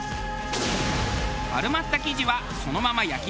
丸まった生地はそのまま焼き型へ。